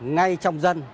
ngay trong dân